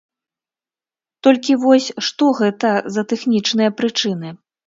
Толькі вось, што гэта за тэхнічныя прычыны?